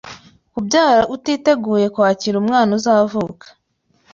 kubyara utiteguye kwakira umwana uzavuka